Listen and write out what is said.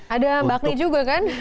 ada mbak klee juga kan